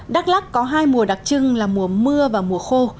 đắk lắc có hai mùa đặc trưng là mùa mưa và mùa khô